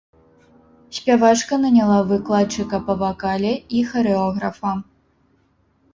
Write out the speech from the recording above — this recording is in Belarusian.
Спявачка наняла выкладчыка па вакале і харэографа.